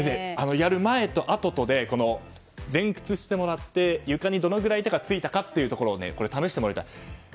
やった前後で前屈をしてもらって床にどのくらい手がついたかというところを試してもらいたい。